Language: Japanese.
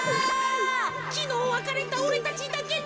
きのうわかれたおれたちだけど。